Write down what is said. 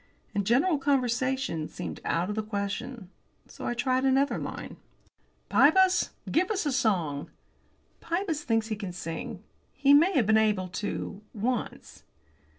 And general conversation seemed out of the question. So I tried another line. "Pybus, give us a song." (Pybus thinks he can sing. He may have been able to once.)